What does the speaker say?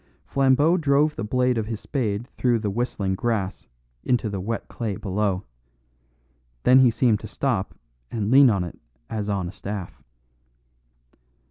Flambeau drove the blade of his spade through the whistling grass into the wet clay below. Then he seemed to stop and lean on it as on a staff.